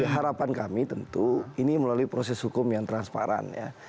harapan kami tentu ini melalui proses hukum yang transparan ya